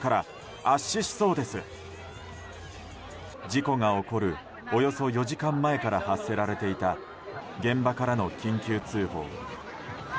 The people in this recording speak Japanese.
事故が起こるおよそ４時間前から発せられていた現場からの緊急通報。